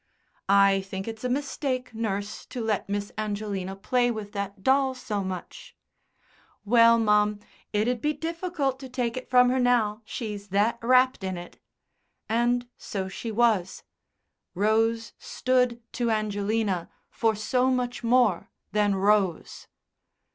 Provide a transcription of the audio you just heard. "I think it's a mistake, nurse, to let Miss Angelina play with that doll so much." "Well, mum, it'd be difficult to take it from her now. She's that wrapped in it." ... And so she was.... Rose stood to Angelina for so much more than Rose.